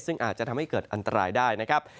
ซึ่งอาจจะทำให้เกิดอันตรายได้นะครับ